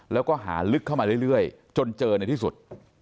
แล้วก็หาลึกเข้ามาเรื่อยจนเจอในที่สุด